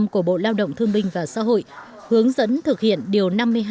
của bộ lao động thương minh và xã hội hướng dẫn thực hiện điều năm mươi hai